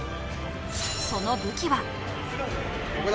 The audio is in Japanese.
その武器は？